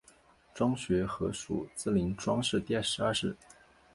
庄学和属毗陵庄氏第十二世。